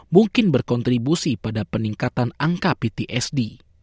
mungkin berkontribusi pada peningkatan angka ptsd